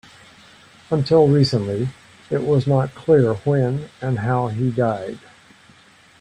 Until recently, it was not clear when and how he died.